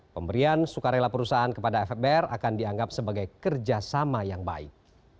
pemberian sukarela perusahaan kepada fbr akan dianggap sebagai kerjasama yang baik